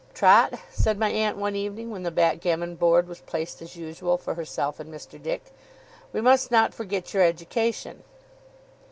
'Trot,' said my aunt one evening, when the backgammon board was placed as usual for herself and Mr. Dick, 'we must not forget your education.